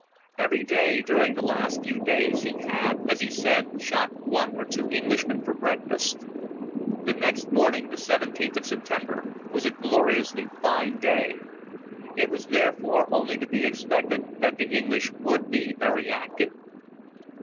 Every day, during the last few days, he had, as he said, shot one or two Englishmen for breakfast. The next morning, the seventeenth of September, was a gloriously fine day. It was therefore only to be expected that the English would be very active.